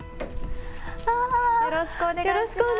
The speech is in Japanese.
よろしくお願いします。